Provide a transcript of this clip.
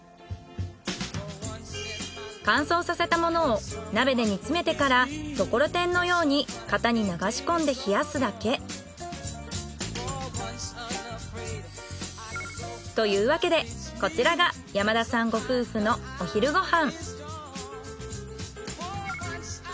乾燥させたものを鍋で煮詰めてからところてんのように型に流し込んで冷やすだけ。というわけでこちらが山田さんご夫婦のお昼ご飯。